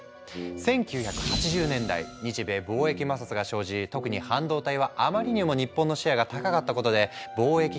１９８０年代日米貿易摩擦が生じ特に半導体はあまりにも日本のシェアが高かったことで貿易規制が強まった。